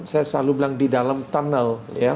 saya selalu bilang di dalam tunnel